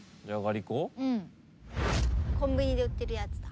コンビニで売ってるやつだ。